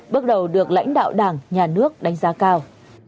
bước đầu được lãnh đạo đảng nhà nước đánh giá cao